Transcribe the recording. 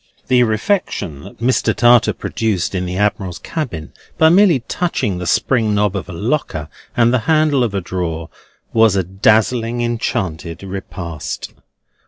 The refection that Mr. Tartar produced in the Admiral's Cabin by merely touching the spring knob of a locker and the handle of a drawer, was a dazzling enchanted repast.